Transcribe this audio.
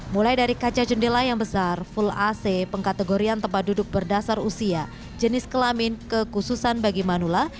mulai dari kaca jendela yang besar full ac pengkategorian tempat duduk berdasar usia jenis kelamin kekhususan bagi manula